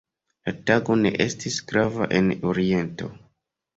La tago ne estis grava en Oriento.